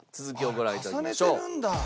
続きをご覧頂きましょう。